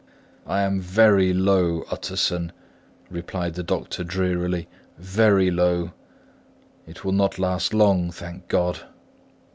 "I am very low, Utterson," replied the doctor drearily, "very low. It will not last long, thank God."